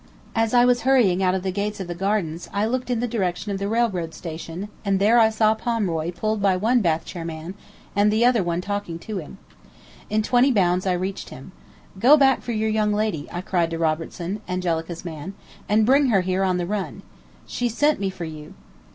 As I was hurrying out of the gates of the gardens I looked in the direction of the railroad station, and there I saw Pomeroy pulled by one bath chair man and the other one talking to him. In twenty bounds I reached him. "Go back for your young lady," I cried to Robertson, Angelica's man, "and bring her here on the run. She sent me for you."